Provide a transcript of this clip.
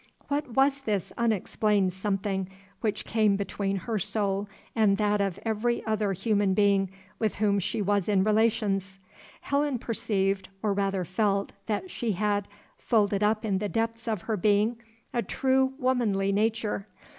What was this unexplained something which came between her soul and that of every other human being with whom she was in relations? Helen perceived, or rather felt, that she had, folded up in the depths of her being, a true womanly nature.